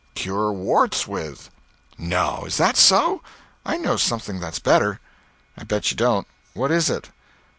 Cure warts with." "No! Is that so? I know something that's better." "I bet you don't. What is it?"